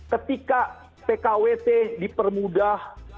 ketika pkwt dipermudah